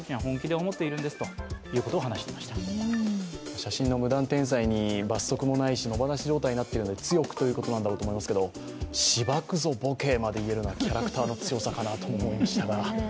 写真の無断転載に罰則もないし野放し状態になっているので強くということなんだろうと思いますけど「しばくぞ、ボケ」まで言えるのはキャラクターの強さかなと思いました。